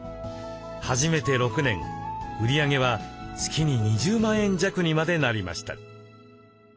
始めて６年売り上げは月に２０万円弱にまでなりました。